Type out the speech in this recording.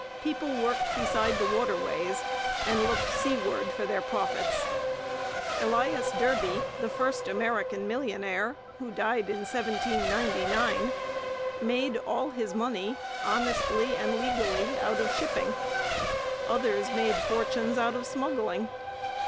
People worked beside the waterways and looked seaward for their profits. Elias Derby, the first American millionaire, who died in 1799, made all his money, honestly and legally, out of shipping. Others made fortunes out of smuggling.